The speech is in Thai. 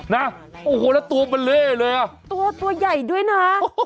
นะโอ้โหแล้วตัวมันเล่เลยอ่ะตัวตัวใหญ่ด้วยนะ